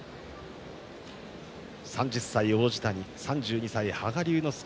３０歳、王子谷３２歳、羽賀龍之介